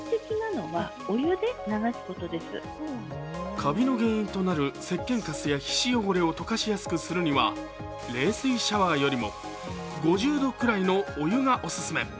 カビの原因となるせっけんかすや皮脂汚れを溶かしやすくするには冷水シャワーよりも５０度くらいのお湯がオススメ。